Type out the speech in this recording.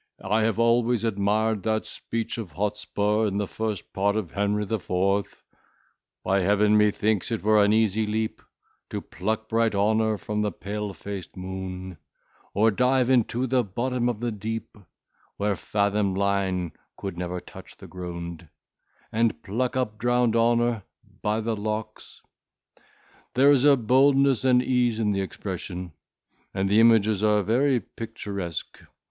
I have always admired that speech of Hotspur in the first part of Henry the Fourth: By Heaven, methinks it were an easy leap, To pluck bright honour from the pale fac'd moon; Or dive into the bottom of the deep, Where fathom line could never touch the ground, And pluck up drowned honour by the locks— "There is a boldness and ease in the expression, and the images are very picturesque.